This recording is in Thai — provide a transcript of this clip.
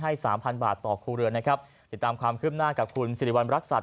สามพันบาทต่อครัวเรือนนะครับติดตามความคืบหน้ากับคุณสิริวัณรักษัตว